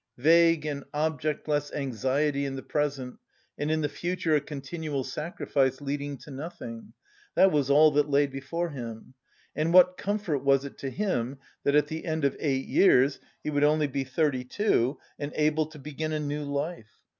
Vague and objectless anxiety in the present, and in the future a continual sacrifice leading to nothing that was all that lay before him. And what comfort was it to him that at the end of eight years he would only be thirty two and able to begin a new life!